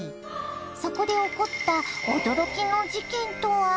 そこで起こった驚きの事件とは？